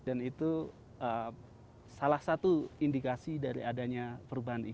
dan itu salah satu indikasi dari adanya perubahan iklim